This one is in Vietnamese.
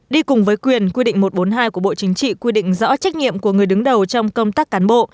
đi cùng với quyền quy định một trăm bốn mươi hai của bộ chính trị quy định rõ trách nhiệm của người đứng đầu trong công tác cán bộ